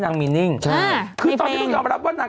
อิปปิอิปปิเหรอนะคะใช่